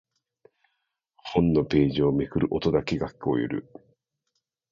本のページをめくる音だけが聞こえる。